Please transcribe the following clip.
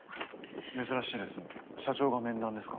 珍しいですね社長が面談ですか？